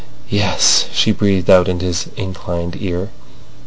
"Yes," she breathed out into his inclined ear.